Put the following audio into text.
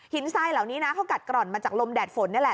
ทรายเหล่านี้นะเขากัดกร่อนมาจากลมแดดฝนนี่แหละ